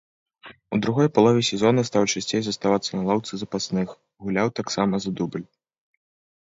У другой палове сезона стаў часцей заставацца на лаўцы запасных, гуляў таксама за дубль.